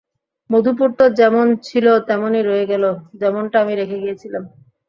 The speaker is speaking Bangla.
মধুপুর তো যেমন ছিল তেমনি রয়ে গেলো, যেমনটা আমি রেখে গিয়েছিলাম।